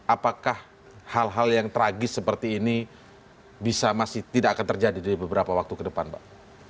apakah hal hal yang tragis seperti ini bisa masih tidak akan terjadi dari beberapa waktu ke depan pak